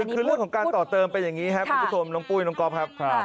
คือเรื่องของการต่อเติมเป็นอย่างนี้ครับคุณผู้ชมน้องปุ้ยน้องก๊อฟครับ